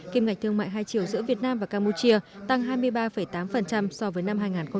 kim ngạch thương mại hai triệu giữa việt nam và campuchia tăng hai mươi ba tám so với năm hai nghìn một mươi bảy